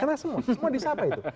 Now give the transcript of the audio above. kena semua semua disapa itu